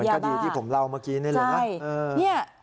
เหมือนกัดดีที่ผมเล่าเมื่อกี้นี่เลยนะใช่เนี่ย